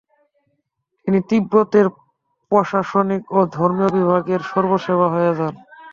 তিনি তিব্বতের প্রশাসনিক ও ধর্মীয় বিভাগের সর্বেসর্বা হয়ে যান।